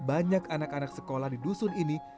banyak anak anak sekolah di dusun ini